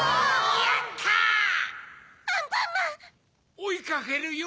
おいかけるよ！